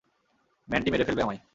Mandy মেরে ফেলবে আমায়।